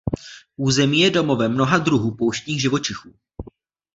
Území je domovem mnoha druhů pouštních živočichů.